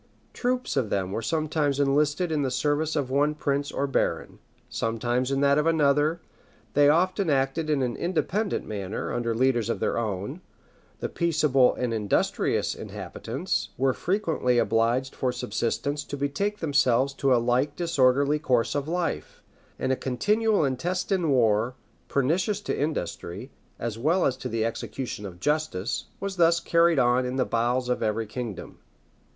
Troops of them were sometimes enlisted in the service of one prince or baron, sometimes in that of another: they often acted in an independent manner, under leaders of their own; the peaceable and industrious inhabitants, reduced to poverty by their ravages, were frequently obliged for subsistence to betake themselves to a like disorderly course of life; and a continual intestine war, pernicious to industry, as well as to the execution of justice, was thus carried on in the bowels of every kingdom.